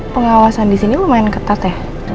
pengawasan di sini lumayan ketat ya